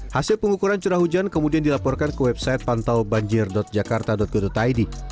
hasil pengukuran curah hujan kemudian dilaporkan ke website pantaubanjir jakarta go id